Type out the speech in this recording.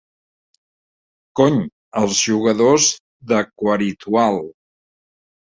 Cony, els jugadors d'Aquaritual!